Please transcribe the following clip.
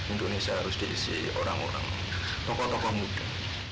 indonesia harus diisi orang orang tokoh tokoh muda